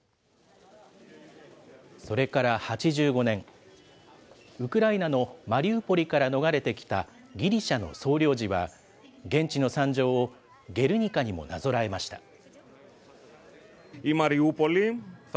それから８５年、ウクライナのマリウポリから逃れてきたギリシャの総領事は、現地の惨状をゲルニカにもなぞらえました。